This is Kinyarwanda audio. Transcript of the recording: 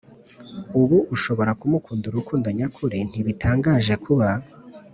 Uba ushobora kumukunda urukundo nyakuri ntibitangaje kuba